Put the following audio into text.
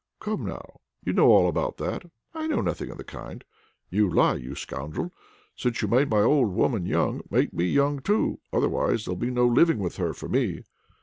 "Come, now! you know all about that." "I know nothing of the kind." "You lie, you scoundrel! Since you made my old woman young, make me young too; otherwise, there will be no living with her for me."